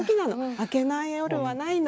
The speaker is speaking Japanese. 明けない夜はないの。